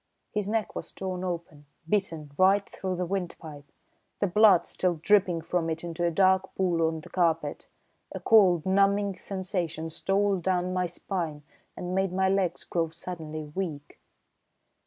His neck was torn open, bitten right through to the windpipe, the blood still dripping from it into a dark pool on the carpet. A cold, numbing sensation stole down my spine and made my legs grow suddenly weak.